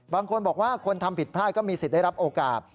บางคนบอกว่าคนทำผิดพลาดก็มีสิทธิ์ได้รับโอกาส